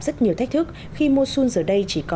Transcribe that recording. rất nhiều thách thức khi mosul giờ đây